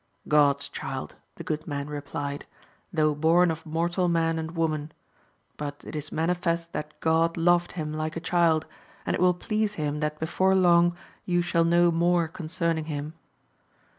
God's child, the good man replied, though bom of mortal man and woman ; but it is manifest that God loved hini like a child, and it will please him that before long you shall know more concerning him.